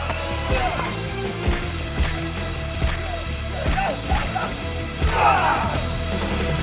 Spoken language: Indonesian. muter muter pasar dari pagi